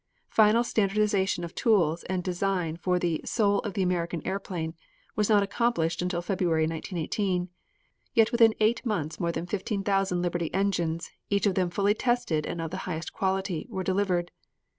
Final standardization of tools and design for the "Soul of the American Airplane" was not accomplished until February, 1918. Yet within eight months more than 15,000 Liberty engines, each of them fully tested and of the highest quality, were delivered.